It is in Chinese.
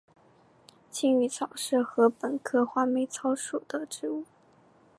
鲫鱼草是禾本科画眉草属的植物。